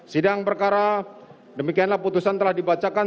sidang perkara demikianlah putusan telah dibacakan